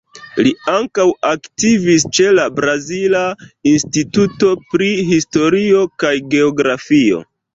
Li ankaŭ aktivis ĉe la Brazila Instituto pri Historio kaj Geografio.